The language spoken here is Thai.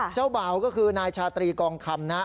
เจ้าบ่าวก็คือนายชาตรีกองคำนะ